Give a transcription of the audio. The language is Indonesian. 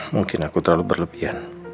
mungkin aku terlalu berlebihan